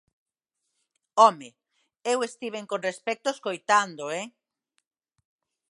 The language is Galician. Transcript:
¡Home!, eu estiven con respecto escoitando, ¡eh!